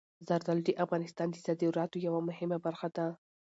زردالو د افغانستان د صادراتو یوه مهمه برخه ده.